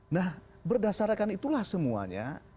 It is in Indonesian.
nah berdasarkan itulah semuanya